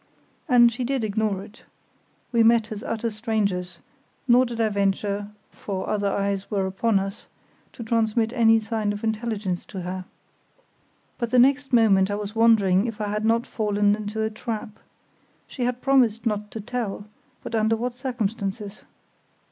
And she did ignore it—we met as utter strangers; nor did I venture (for other eyes were upon us) to transmit any sign of intelligence to her. But the next moment I was wondering if I had not fallen into a trap. She had promised not to tell, but under what circumstances?